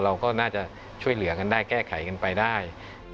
เราก็น่าจะช่วยเหลือกันได้แก้ไขกันไปได้